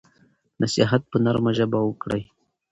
نصیحت په نرمه ژبه وکړئ.